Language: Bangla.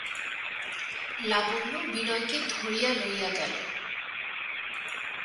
লাবণ্য বিনয়কে ধরিয়া লইয়া গেল।